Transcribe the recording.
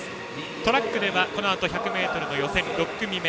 トラックでは１００ｍの予選６組目。